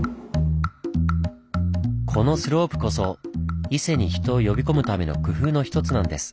このスロープこそ伊勢に人を呼び込むための工夫の一つなんです。